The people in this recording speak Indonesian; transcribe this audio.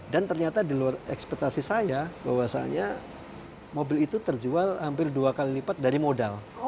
dan ternyata di luar ekspektasi saya bahwasanya mobil itu terjual hampir dua kali lipat dari modal